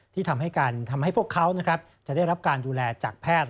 ที่ทำให้พวกเขาจะได้รับการดูแลจากแพทย์